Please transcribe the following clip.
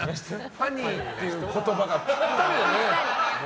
ファニーっていう言葉がピッタリだね。